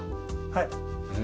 はい。